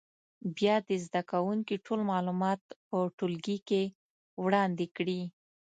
بیا دې زده کوونکي ټول معلومات په ټولګي کې وړاندې کړي.